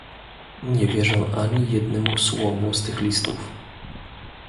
Nie wierzę ani jednemu słowu z tych listów!